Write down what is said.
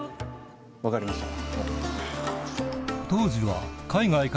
分かりました。